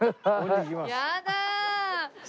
やだ！